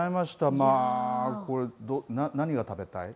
まあ、これ、何が食べたい？